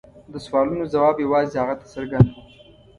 د سوالونو ځواب یوازې هغه ته څرګند و.